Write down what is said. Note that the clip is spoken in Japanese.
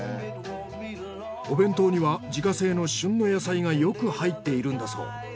お弁当には自家製の旬の野菜がよく入っているんだそう。